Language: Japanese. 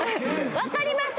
わかります？